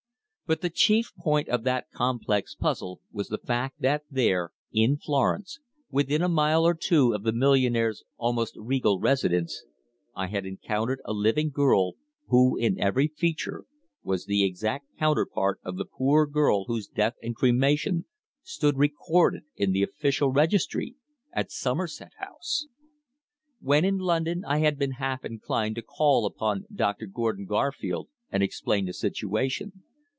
But the chief point of that complex puzzle was the fact that there, in Florence, within a mile or two of the millionaire's almost regal residence, I had encountered a living girl who, in every feature, was the exact counterpart of the poor girl whose death and cremation stood recorded in the official registry at Somerset House! When in London I had been half inclined to call upon Doctor Gordon Garfield and explain the situation.